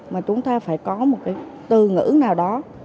mà chúng ta phải có một cái từ ngữ nào đó